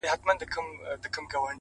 ته دې هره ورځ و هيلو ته رسېږې;